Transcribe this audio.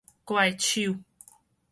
怪手